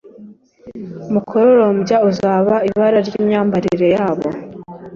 umukororombya uzaba ibara ryimyambarire yabo?